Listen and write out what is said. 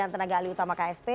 dan tenaga alih utama ksp